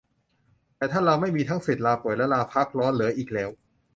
แต่ถ้าเราไม่มีทั้งสิทธิ์ลาป่วยและลาพักร้อนเหลืออีกแล้ว